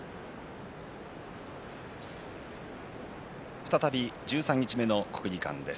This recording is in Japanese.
再び十三日目の国技館です。